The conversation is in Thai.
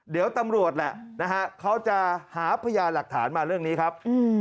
เดี๋ยวตำรวจแหละนะฮะเขาจะหาพยานหลักฐานมาเรื่องนี้ครับ